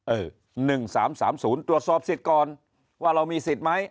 ๑๓๓๐ตรวจสอบสิทธิ์ก่อนว่าเรามีสิทธิ์ไหม